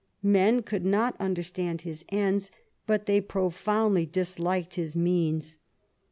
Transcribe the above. Men could not understand his ends, but they profoundly disliked his means.